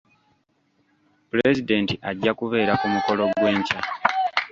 Pulezidenti ajja kubeera ku mukolo gw'enkya.